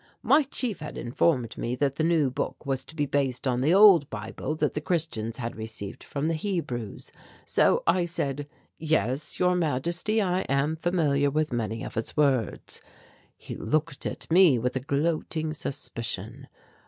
"My Chief had informed me that the new book was to be based on the old Bible that the Christians had received from the Hebrews. So I said, 'Yes, Your Majesty, I am familiar with many of its words.' "He looked at me with a gloating suspicion.